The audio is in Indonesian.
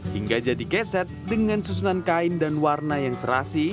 hingga jadi keset dengan susunan kain dan warna yang serasi